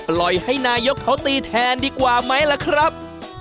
ปล่อยให้นายกเขาตีแทนดีกว่าไหมล่ะครับ